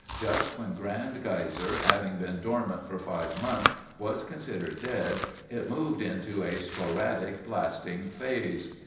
Just when Grand Geyser, having been dormant for five months, was considered dead, it moved into a sporadic blasting phase.